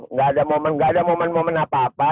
nggak ada momen nggak ada momen momen apa apa